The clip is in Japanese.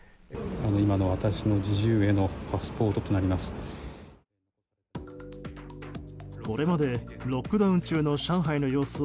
今の私の自由へのパスポートになります。